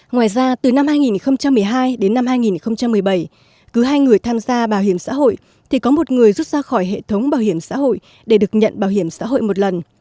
ngoài ra từ năm hai nghìn một mươi hai đến năm hai nghìn một mươi bảy cứ hai người tham gia bảo hiểm xã hội thì có một người rút ra khỏi hệ thống bảo hiểm xã hội để được nhận bảo hiểm xã hội một lần